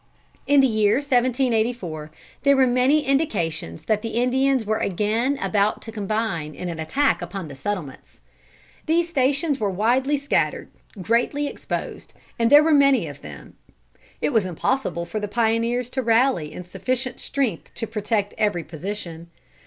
In the year 1784 there were many indications that the Indians were again about to combine in an attack upon the settlements. These stations were widely scattered, greatly exposed, and there were many of them. It was impossible for the pioneers to rally in sufficient strength to protect every position.